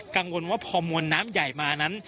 กังวลว่าพอมวลน้ำใหญ่มานั้น